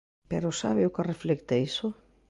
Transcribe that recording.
Pero ¿sabe o que reflicte iso?